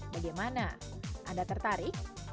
bagaimana anda tertarik